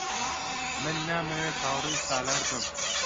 من نامەوێت هاوڕێی سالار بم.